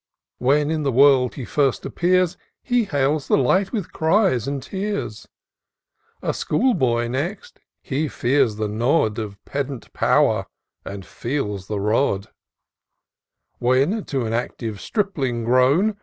When in the world he first appears, He hails the light with cries and tears : A school boy next, he fears the nod Of pedant pow'r, and feels the rod : When to an active stripling grown.